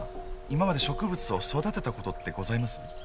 今まで植物を育てたことってございます？